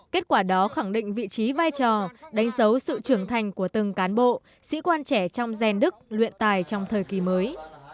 kết quả đó khẳng định vị trí vai trò đánh dấu sự trưởng thành của từng cán bộ sĩ quan trẻ trong rèn đức luyện tài trong thời kỳ mới